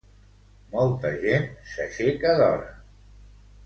Molta gent s'aixeca d'hora.